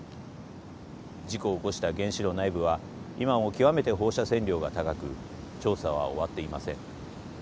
事故を起こした原子炉内部は今も極めて放射線量が高く調査は終わっていません。